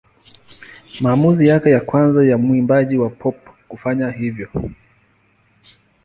Maamuzi yake ya kwanza ya mwimbaji wa pop kufanya hivyo.